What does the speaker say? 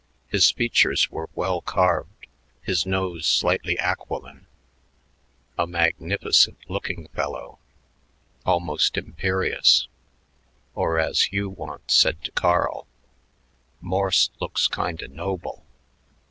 His features were well carved, his nose slightly aquiline a magnificent looking fellow, almost imperious; or as Hugh once said to Carl, "Morse looks kinda noble."